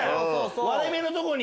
割れ目のとこに。